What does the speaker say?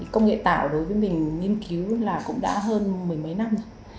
công nghệ tạo đối với mình nghiên cứu là cũng đã hơn mười mấy năm rồi